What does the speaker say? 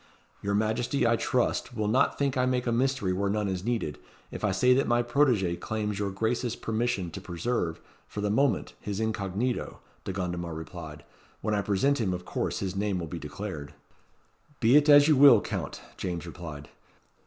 "Your Majesty, I trust, will not think I make a mystery where none is needed, if I say that my protegé claims your gracious permission to preserve, for the moment, his incognito," De Gondomar replied. "When I present him of course his name will be declared." "Be it as you will, Count," James replied.